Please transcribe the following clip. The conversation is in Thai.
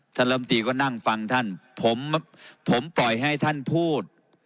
ลำตีก็นั่งฟังท่านผมปล่อยให้ท่านพูด